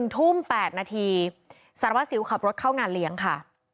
ทุ่ม๘นาทีสารวัสสิวขับรถเข้างานเลี้ยงค่ะ